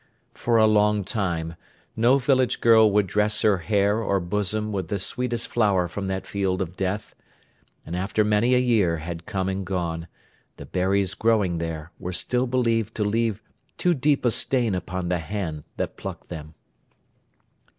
For a long time, no village girl would dress her hair or bosom with the sweetest flower from that field of death: and after many a year had come and gone, the berries growing there, were still believed to leave too deep a stain upon the hand that plucked them.